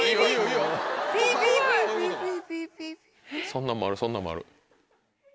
そんなんもあるそんなんもある。